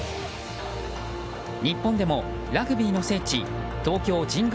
日本でもラグビーの聖地・東京神宮